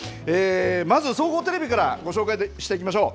まず、総合テレビからご紹介していきましょう。